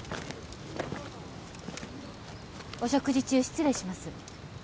お食事中失礼します。